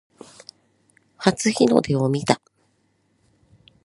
初日の出を見た